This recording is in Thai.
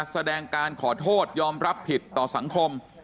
แสดงการขอโทษยอมรับผิดต่อสังคม